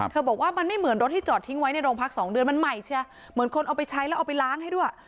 บอกว่ามันไม่เหมือนรถที่จอดทิ้งไว้ในโรงพักสองเดือนมันใหม่เชียเหมือนคนเอาไปใช้แล้วเอาไปล้างให้ด้วย